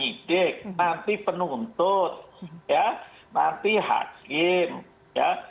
yang berkepentingan itu kan penyidik nanti penuntut ya nanti hakim ya